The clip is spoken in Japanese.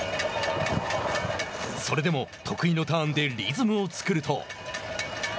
それでも、得意のターンでリズムを作ると。